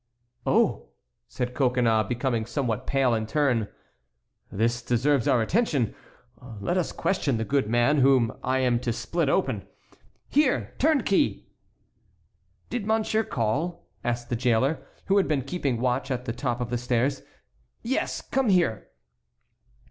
"Oh!" said Coconnas, becoming somewhat pale in turn, "this deserves our attention. Let us question the good man whom I am to split open. Here, turnkey!" "Did monsieur call?" asked the jailer, who had been keeping watch at the top of the stairs. "Yes; come here."